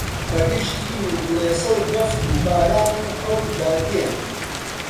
بەگژ تین و بڵێسە و بەفر و باران و هەوردا دێن